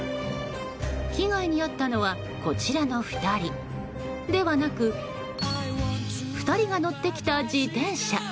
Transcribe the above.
被害に遭ったのはこちらの２人ではなく２人が乗ってきた自転車。